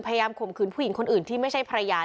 ข่มขืนผู้หญิงคนอื่นที่ไม่ใช่ภรรยา